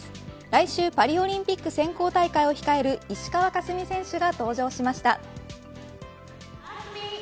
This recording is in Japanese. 来週パリオリンピック選考大会を控える石川佳純選手が登場しました。